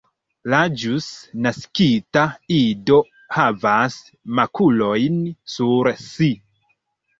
La ĵus naskita ido havas makulojn sur si.